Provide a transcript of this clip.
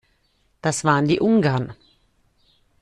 Das waren die Ungarn.